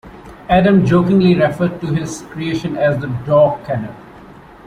Adam jokingly referred to his creation as 'The Dogg Kennel'.